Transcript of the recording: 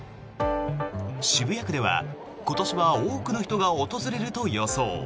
渋谷区では今年は多くの人が訪れると予想。